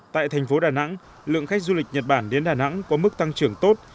tại thành phố đà nẵng lượng khách du lịch nhật bản đến đà nẵng có mức tăng trưởng tốt